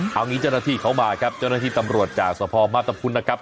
คราวนี้เจ้าหน้าที่เขามาครับเจ้าหน้าที่ตำรวจจากสภอมณ์มาตรภูมินะครับ